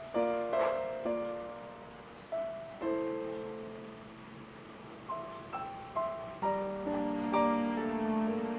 kamu adalah anak papa